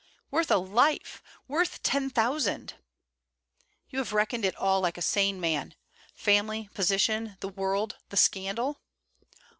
'Worth a life! worth ten thousand!' 'You have reckoned it all like a sane man: family, position, the world, the scandal?'